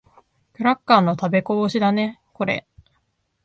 クラッカーの食べこぼしだね、これ。